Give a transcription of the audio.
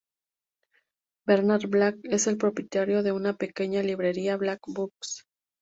Bernard Black es el propietario de una pequeña librería, Black Books.